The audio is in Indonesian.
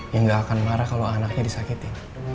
yang gak akan marah kalau anaknya disakiti